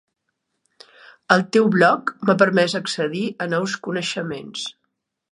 El teu bloc m'ha permès accedir a nous coneixements.